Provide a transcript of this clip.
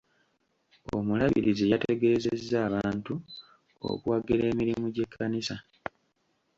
Omulabirizi yategezezza abantu okuwagira emirimu gy'ekkanisa.